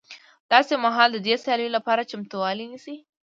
داسې مهال د دې سیالیو لپاره چمتوالی نیسي